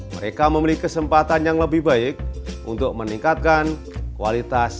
penduduk penduduk yang berkualitas dan berkualitas